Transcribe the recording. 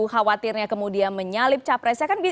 khawatirnya kemudian menyalip capres